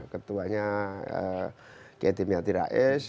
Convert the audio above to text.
ketuanya ketim yati rais